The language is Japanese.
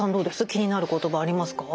気になる言葉ありますか？